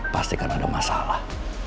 pasti kan ada masalah